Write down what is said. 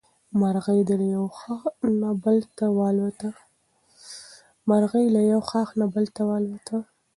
مرغۍ له یو ښاخ نه بل ته والوتله.